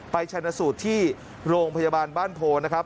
ไปชนสูตรที่โรงพยาบาลบ้านโพ